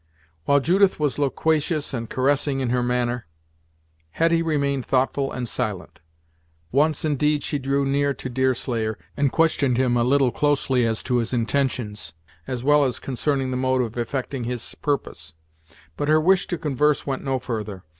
While Judith was loquacious and caressing in her manner, Hetty remained thoughtful and silent. Once, indeed, she drew near to Deerslayer, and questioned him a little closely as to his intentions, as well as concerning the mode of effecting his purpose; but her wish to converse went no further.